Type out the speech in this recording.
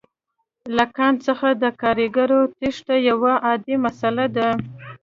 له کان څخه د کارګرو تېښته یوه عادي مسئله ده